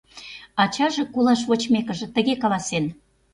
Ачаже, колаш вочмекыже, тыге каласен: